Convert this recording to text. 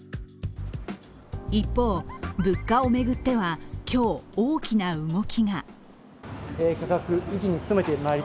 一方、物価を巡っては今日、大きな動きが。